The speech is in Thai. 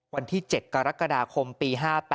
วันที่๗กรกฎาคมปี๕๘